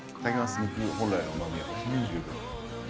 肉本来のうまみを。